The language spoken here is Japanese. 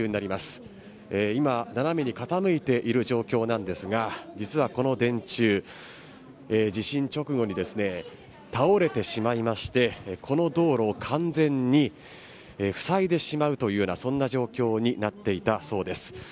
斜めに傾いている状況なんですが実はこの電柱地震直後に倒れてしまいましてこの道路を完全にふさいでしまうというような状況になっていたそうです。